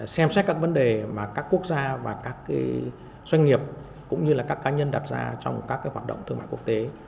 xem xét các vấn đề mà các quốc gia và các doanh nghiệp cũng như là các cá nhân đặt ra trong các hoạt động thương mại quốc tế